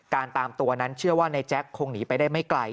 ตามตัวนั้นเชื่อว่านายแจ๊คคงหนีไปได้ไม่ไกล